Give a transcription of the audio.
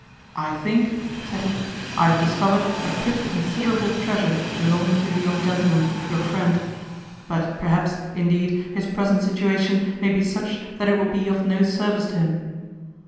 "I think," said he, "I have discovered a pretty considerable treasure belonging to the young gentleman, your friend; but perhaps, indeed, his present situation may be such that it will be of no service to him."